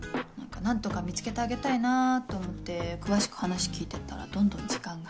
何とか見つけてあげたいなぁと思って詳しく話聞いてったらどんどん時間が。